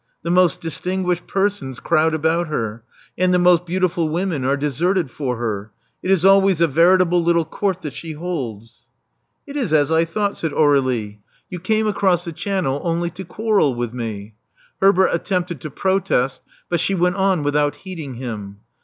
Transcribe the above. The most dis tinguished persons crowd about her; and the most beautiful women are deserted for her. It is alwajrs a veritable little court that she holds." It is as I thought," said Aur^lie. •*Yon came 362 Love Among the Artists across the Channel only to quarrel with me." Herbert attempted to protest; but she went on without heeding him.